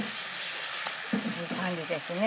いい感じですね。